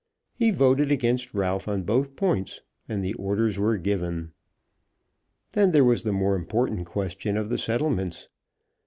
He voted against Ralph on both points, and the orders were given. Then there was the more important question of the settlements.